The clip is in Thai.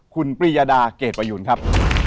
คุณปริยดาเกรดประยูนครับ